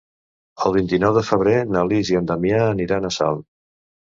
El vint-i-nou de febrer na Lis i en Damià aniran a Salt.